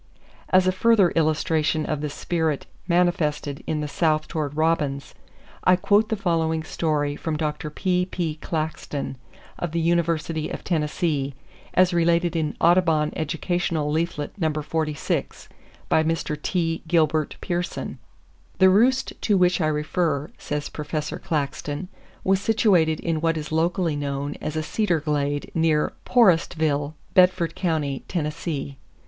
As a further illustration of the spirit manifested in the South toward robins, I quote the following story from Dr. P.P. Claxton, of the University of Tennessee, as related in Audubon Educational Leaflet No. 46, by Mr. T. Gilbert Pearson:— "The roost to which I refer," says Professor Claxton, "was situated in what is locally known as a 'cedar glade,' near Porestville, Bedford Co., Tennessee.